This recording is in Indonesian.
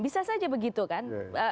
bisa saja begitu kan